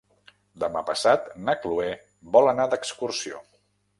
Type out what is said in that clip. Demà passat na Chloé vol anar d'excursió.